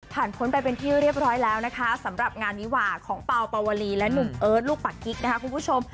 พ้นไปเป็นที่เรียบร้อยแล้วนะคะสำหรับงานวิวาของเปล่าปาวลีและหนุ่มเอิร์ทลูกปากกิ๊กนะคะคุณผู้ชม